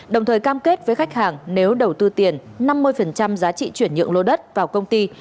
đồng thời cam kết với khách hàng nếu đầu tư tiền năm mươi giá trị chuyển nhượng lô đất vào công ty